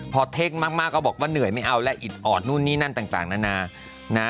พอเทคมากก็บอกว่าเหนื่อยไม่เอาแล้วอิดออดนู่นนี่นั่นต่างนานานะ